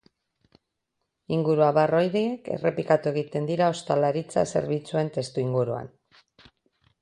Inguruabar horiek errepikatu egiten dira ostalaritza-zerbitzuen testuinguruan.